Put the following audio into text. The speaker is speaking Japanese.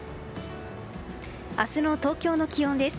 明日の東京の気温です。